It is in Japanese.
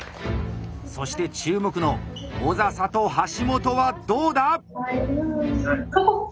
そして注目の小佐々と橋本はどうだ？